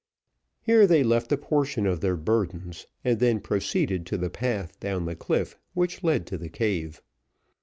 Here they left a portion of their burdens and then proceeded to the path down the cliff which led to the cave.